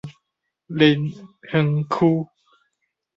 林園區